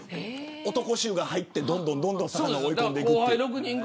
男衆が入って、どんどん魚を追い込んでいく。